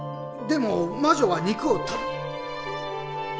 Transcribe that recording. でも魔女は肉を。